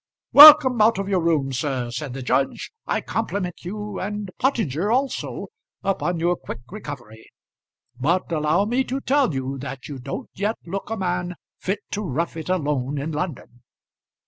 "Welcome out of your room, sir," said the judge. "I compliment you, and Pottinger also, upon your quick recovery; but allow me to tell you that you don't yet look a man fit to rough it alone in London."